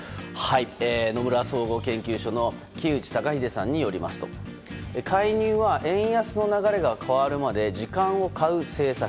野村総合研究所の木内登英さんによりますと介入は、円安の流れが変わるまで時間を買う政策。